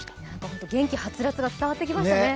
本当に元気はつらつが伝わってきましたね。